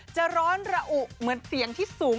จะร้อนระอุเหมือนเสียงที่สูง